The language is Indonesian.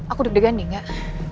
aku deg degan nih gak